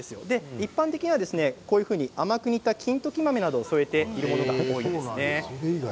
一般的には甘く煮た金時豆などを添えているものが多いですね。